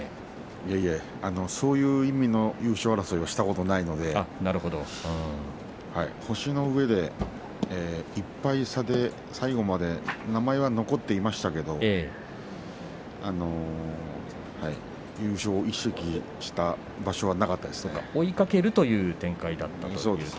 いえいえ、そういう意味の優勝争いはしたことがないので星のうえで１敗差で最後まで名前は残っていましたけれど優勝を意識した場所はなかったです。